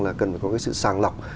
là cần phải có cái sự sàng lọc